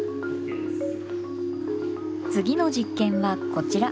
次の実験はこちら。